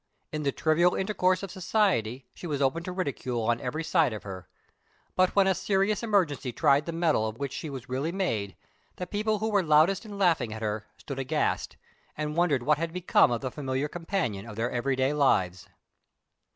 In the trivial intercourse of society she was open to ridicule on every side of her. But when a serious emergency tried the metal of which she was really made, the people who were loudest in laughing at her stood aghast, and wondered what had become of the familiar companion of their everyday lives.